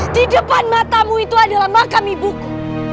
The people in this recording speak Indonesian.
di depan matamu itu adalah makam ibuku